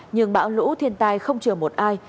nhưng bão lũ thiên tai không chờ một ai